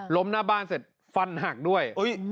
หน้าบ้านเสร็จฟันหักด้วย